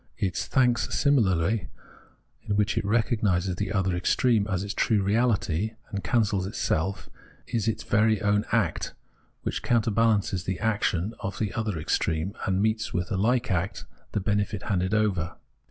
Its thanks similarly, in which it recog nises the other extreme as its true reahty, and cancels itself, is its own very act, which counterbalances the action of the other extreme, and meets with a hke act the benefit handed over.